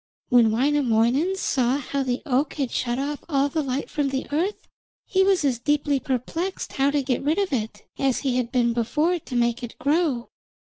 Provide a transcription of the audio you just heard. When Wainamoinen saw how the oak had shut off all the light from the earth, he was as deeply perplexed how to get rid of it, as he had been before to make it grow.